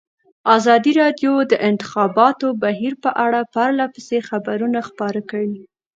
ازادي راډیو د د انتخاباتو بهیر په اړه پرله پسې خبرونه خپاره کړي.